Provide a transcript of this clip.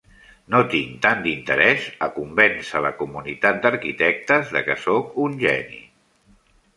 No tinc tant d'interès a convèncer la comunitat d'arquitectes de que soc un geni.